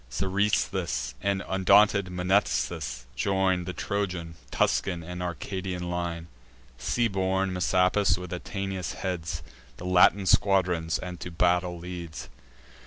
Seresthus and undaunted Mnestheus join The Trojan, Tuscan, and Arcadian line: Sea born Messapus, with Atinas, heads The Latin squadrons, and to battle leads.